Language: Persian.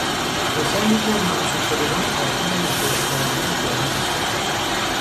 حسین یکی از منصوب شدگان اخیر نخست وزیر جدید است.